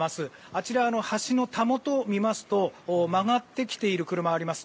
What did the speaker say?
あちら、橋のたもとを見ますと曲がってきている車があります。